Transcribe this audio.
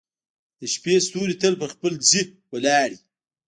• د شپې ستوري تل په خپل ځای ولاړ وي.